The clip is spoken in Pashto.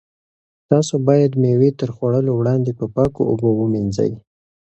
تاسو باید مېوې تر خوړلو وړاندې په پاکو اوبو ومینځئ.